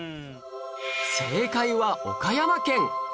正解は岡山県